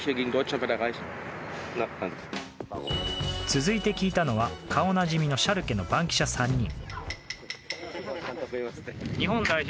続いて聞いたのは顔なじみのシャルケの番記者３人。